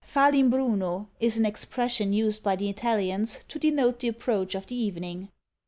Fa l'imbruno is an expression used by the Italians to denote the approach of the evening.